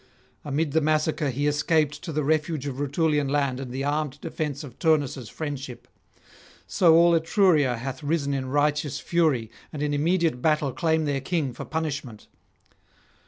Amid the massacre he escaped to the refuge of Rutulian land and the armed defence of Turnus' friendship. So all Etruria hath risen in righteous fury, and in immediate battle claim their king for punishment.